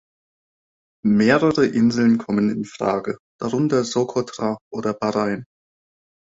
Mehrere Inseln kommen in Frage, darunter Sokotra oder Bahrain.